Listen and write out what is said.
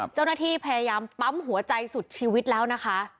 เจ้าหน้าที่พยายามปั๊มหัวใจสุดชีวิตแล้วนะคะ